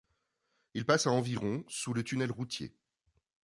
Il passe à environ sous le tunnel routier.